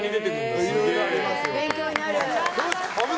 勉強になる！